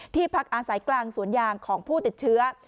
พักอาศัยกลางสวนยางของผู้ติดเชื้อ